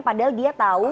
padahal dia tahu